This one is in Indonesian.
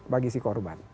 bagi si korban